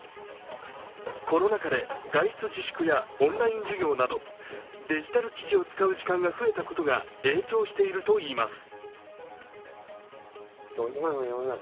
コロナ禍で外出自粛やオンライン授業などデジタル機器を使う時間が増えたことが影響しているといいます。